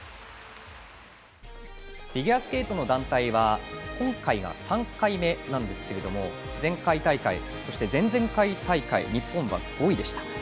フィギュアスケート団体は今回が３回目なんですけれども前回大会、そして前々回大会は日本は５位でした。